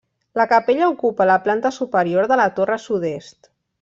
La capella ocupa la planta superior de la torre sud-est.